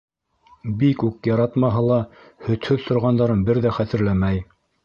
Бик үк яратмаһа ла, һөтһөҙ торғандарын бер ҙә хәтерләмәй.